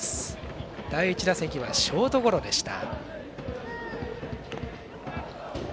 第１打席はショートゴロでした。